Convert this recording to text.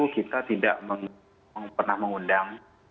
kita tidak pernah mengundang